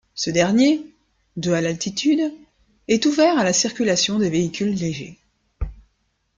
Ce dernier, de à d'altitude, est ouvert à la circulation des véhicules légers.